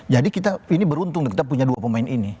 jadi ini beruntung kita punya dua pemain ini